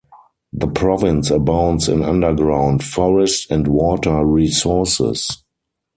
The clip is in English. The province abounds in underground, forest and water resources.